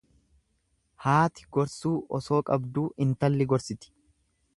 Haati gorsuu osoo qabduu intalli gorsiti.